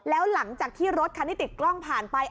แล้วหลังจากที่รถคันที่ติดกล้องผ่านไป